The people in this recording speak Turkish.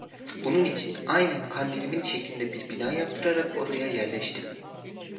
Bunun için, aynen kandilimin şeklinde bir bina yaptırarak oraya yerleştim.